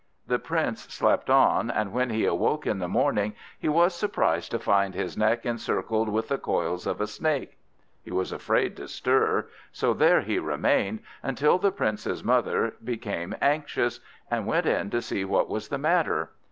The Prince slept on, and when he awoke in the morning, he was surprised to find his neck encircled with the coils of a Snake. He was afraid to stir, so there he remained, until the Prince's mother became anxious, and went to see what was the matter.